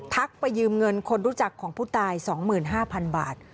ไปยืมเงินคนรู้จักของผู้ตาย๒๕๐๐๐บาท